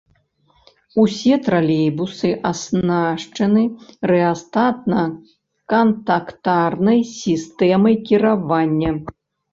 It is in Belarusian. Усе тралейбусы аснашчаны рэастатна-кантактарнай сістэмай кіравання.